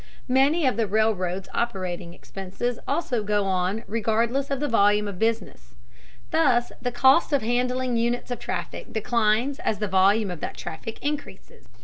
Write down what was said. Many of the railroad's operating expenses also go on regardless of the volume of business. Thus the cost of handling units of traffic declines as the volume of that traffic increases.